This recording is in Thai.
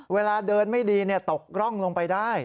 เวลาเดินไม่ดีตกร่องลงไปได้